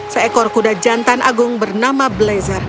seekor kuda jantan agung bernama blazer